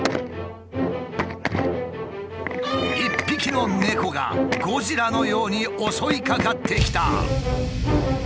一匹の猫がゴジラのように襲いかかってきた。